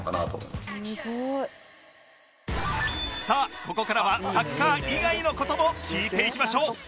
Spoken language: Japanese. さあここからはサッカー以外の事も聞いていきましょう